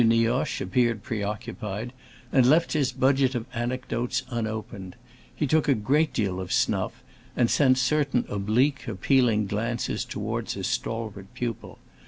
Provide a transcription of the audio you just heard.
Nioche appeared preoccupied, and left his budget of anecdotes unopened; he took a great deal of snuff, and sent certain oblique, appealing glances toward his stalwart pupil.